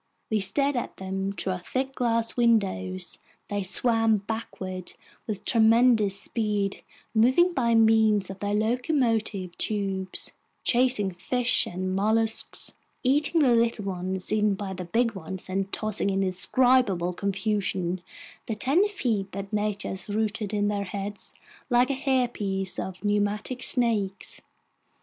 We stared at them through our thick glass windows: they swam backward with tremendous speed, moving by means of their locomotive tubes, chasing fish and mollusks, eating the little ones, eaten by the big ones, and tossing in indescribable confusion the ten feet that nature has rooted in their heads like a hairpiece of pneumatic snakes.